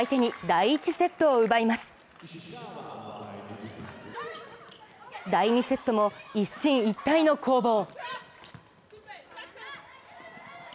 第２セットも一進一退の攻防。